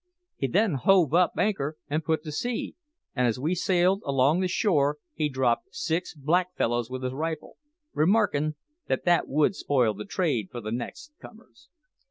He then hove up anchor and put to sea, and as we sailed along the shore he dropped six black fellows with his rifle, remarkin' that `that would spoil the trade for the next comers.'